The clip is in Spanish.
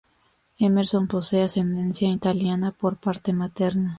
Emerson posee ascendencia italiana por parte materna.